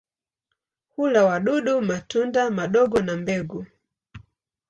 Hula wadudu, matunda madogo na mbegu.